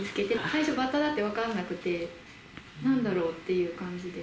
最初バッタだと分からなくて、なんだろう？っていう感じで。